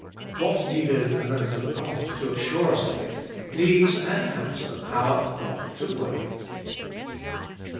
What needed an oath of God to assure us of it, needs and has the power of God to work it.